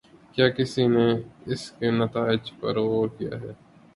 کیا کسی نے اس کے نتائج پر غور کیا ہے؟